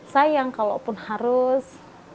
sayang kalaupun harus